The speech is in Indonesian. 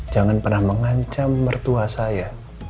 jangan pernah mengancam mertua saya